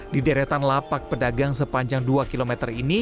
di deretan lapak pedagang sepanjang dua km ini